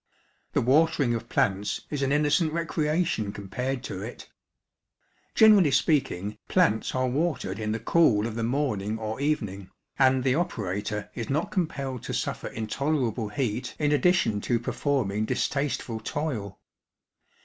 The watering of plants is an innocent recreation compared to it. Generally speaking, plants are watered in the cool of the morning or evening, and the operator is not compelled to suffer intolerable heat in addition to performing distasteful toil.